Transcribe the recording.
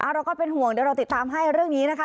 เราก็เป็นห่วงเดี๋ยวเราติดตามให้เรื่องนี้นะคะ